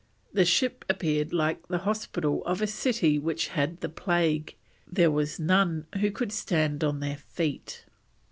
The ship appeared like the Hospital of a city which had the plague; there was none who could stand on their feet."